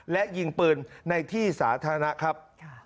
และยิงปืนในที่สาธารณะครับ